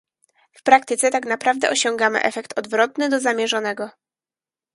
W praktyce tak naprawdę osiągamy efekt odwrotny do zamierzonego